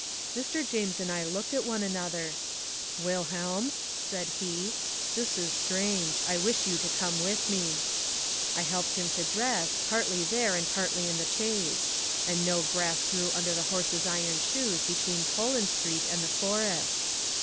Mr. James and I looked at one another. 'Wilhelm,' said he, 'this is strange. I wish you to come with me!' I helped him to dress, partly there and partly in the chaise; and no grass grew under the horses' iron shoes between Poland Street and the Forest.